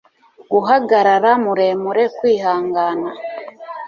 guhagarara muremure, kwihangana